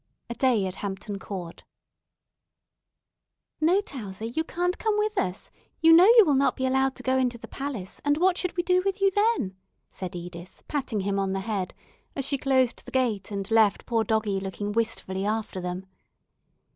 A DAY AT HAMPTON COURT "NO, Towser, you can't come with us; you know you will not be allowed to go into the palace, and what should we do with you then," said Edith, patting him on the head, as she closed the gate and left poor doggie looking wistfully after them.